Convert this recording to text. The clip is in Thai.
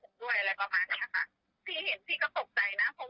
ก็คือถ้าเกิดว่าผมหายเงียบไปพี่ก็มาหาผมแล้วกันอะไรอย่างเงี้ย